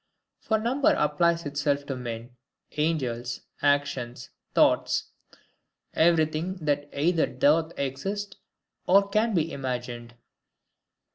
For number applies itself to men, angels, actions, thoughts; everything that either doth exist or can be imagined.